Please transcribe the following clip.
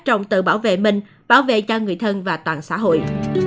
trong tự bảo vệ mình bảo vệ cho người thân và toàn xã hội